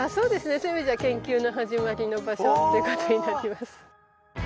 そういう意味じゃ研究の始まりの場所ってことになります。